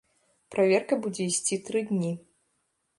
Праверка будзе ісці тры дні.